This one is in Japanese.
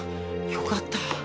よかった。